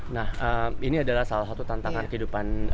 nah ini adalah salah satu tantangan kehidupan